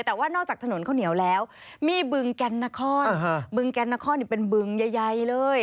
แต่ว่านอกจากถนนข้าวเหนียวแล้วมีบึงแกนนครบึงแกนนครเป็นบึงใหญ่เลย